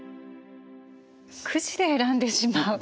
くじで選んでしまう。